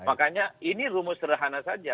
makanya ini rumus rahana saja